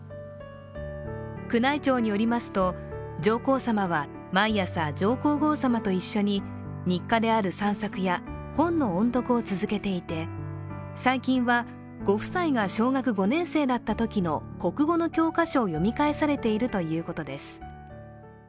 宮内庁によりますと、上皇さまは毎朝、上皇后さまと一緒に日課である散策や本の音読を続けていて、最近は、ご夫妻が小学５年生だったときの国語の教科書を読み返されているということです。